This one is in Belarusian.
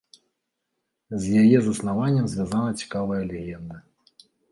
З яе заснаваннем звязана цікавая легенда.